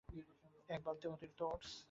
এক বালতি অতিরিক্ত ওটস?